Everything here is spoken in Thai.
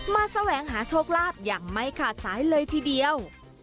แสวงหาโชคลาภอย่างไม่ขาดสายเลยทีเดียว